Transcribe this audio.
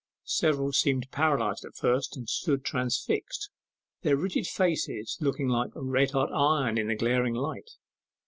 Several seemed paralyzed at first, and stood transfixed, their rigid faces looking like red hot iron in the glaring light.